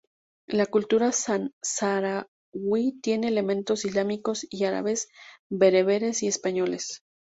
La cultura saharaui tiene elementos islámicos y árabes, bereberes y españoles.